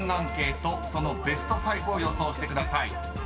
［そのベスト５を予想してください］